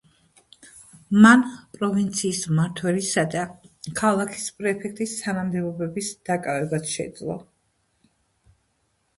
მან პროვინციის მმართველისა და ქალაქის პრეფექტის თანამდებობების დაკავებაც შეძლო.